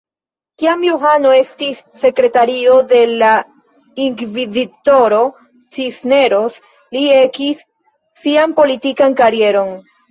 Kiam Johano estis sekretario de la inkvizitoro Cisneros, li ekis sian politikan karieron.